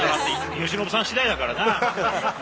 由伸さんしだいだからな。